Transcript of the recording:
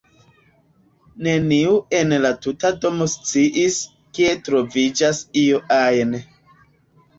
Neniu en la tuta domo sciis, kie troviĝas io ajn.